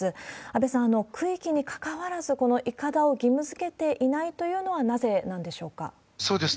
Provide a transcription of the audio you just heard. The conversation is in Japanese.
安倍さん、区域にかかわらず、このいかだを義務づけていないというのはなぜなんでしょうか。